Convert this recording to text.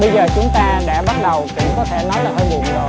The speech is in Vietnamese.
bây giờ chúng ta đã bắt đầu cũng có thể nói là hơi buồn rồi